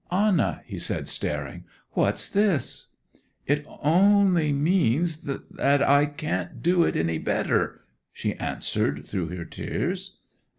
'Anna,' he said, staring; 'what's this?' 'It only means—that I can't do it any better!' she answered, through her tears.